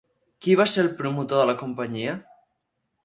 Qui va ser el promotor de la companyia?